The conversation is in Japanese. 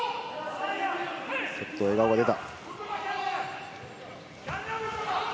ちょっと笑顔が出た。